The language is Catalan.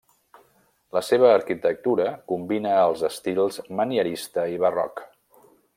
La seva arquitectura combina els estils manierista i barroc.